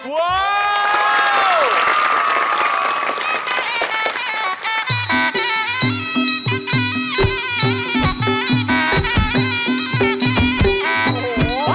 ว้าว